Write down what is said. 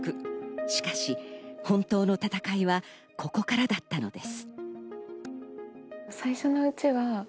しかし本当の闘いはここからだったのです。